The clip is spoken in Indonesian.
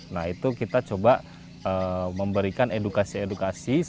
nah itu kita coba memberikan edukasi edukasi